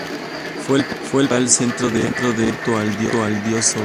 Fue el principal centro de culto al dios Sobek.